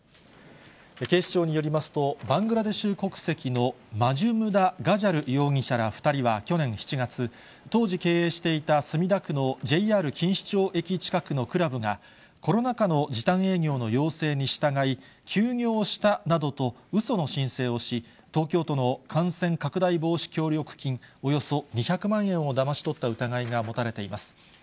警視庁によりますと、バングラデシュ国籍のマジュムダ・カジャル容疑者ら２人は、去年７月、当時経営していた墨田区のＪＲ錦糸町駅近くのクラブが、コロナ禍の時短営業の要請に従い、休業したなどとうその申請をし、東京都の感染拡大防止協力金、およそ２００万円をだまし取った疑いが持たれています。